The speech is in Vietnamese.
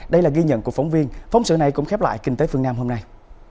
đây là ghi nhận của phóng viên phóng sự này cũng khép lại kinh tế phương nam hôm nay